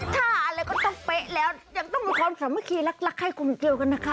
ถ้าอะไรก็ต้องเป๊ะแล้วยังต้องมีความสามารถกี่ลักให้คุณลูกเสือกันนะคะ